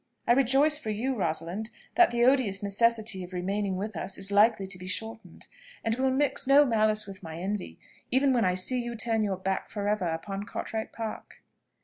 "I rejoice for you, Rosalind, that the odious necessity of remaining with us is likely to be shortened; and will mix no malice with my envy, even when I see you turn your back for ever upon Cartwright Park."